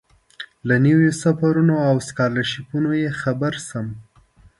له نویو سفرونو او سکالرشیپونو یې خبر شم.